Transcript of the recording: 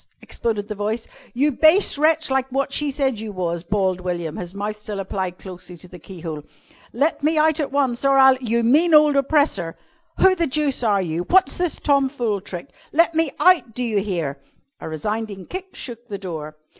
exploded the voice. "You base wretch, like wot she said you was," bawled William, his mouth still applied closely to the keyhole. "Let me out at once, or I'll " "You mean ole oppressor!" "Who the deuce are you? What's this tomfool trick? Let me out! Do you hear?" A resounding kick shook the door.